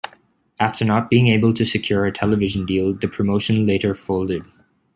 After not being able to secure a television deal, the promotion later folded.